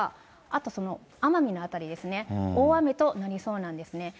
あと奄美の辺りですね、大雨となりそうなんですね。